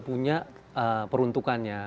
sudah punya peruntukannya